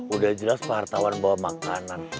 udah jelas wartawan bawa makanan